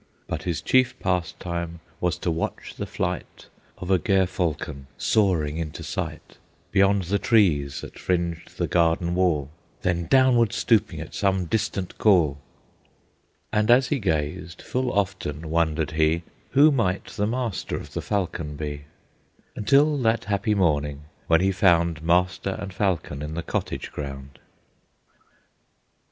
But his chief pastime was to watch the flight Of a gerfalcon, soaring into sight, Beyond the trees that fringed the garden wall, Then downward stooping at some distant call; And as he gazed full often wondered he Who might the master of the falcon be, Until that happy morning, when he found Master and falcon in the cottage ground.